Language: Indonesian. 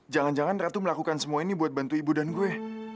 jangan jangan ratu melakukan semua ini buat bantu ibu dan gue